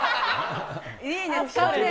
いいね。